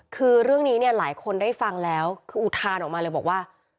คือเรื่องนี้เนี่ยหลายคนได้ฟังแล้วคืออุทานออกมาเลยบอกว่า